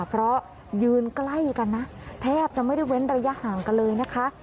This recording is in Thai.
เพราะยืนใกล้กันนะแทบจะไม่ได้เว้นระยะห่างกันเลยนะคะ